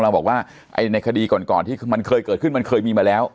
เราบอกว่าในคดีก่อนที่มันเคยเกิดขึ้นมันเคยมีมาแล้ว